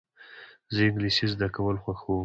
زه انګلېسي زده کول خوښوم.